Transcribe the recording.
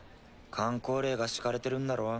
かん口令が敷かれてるんだろ。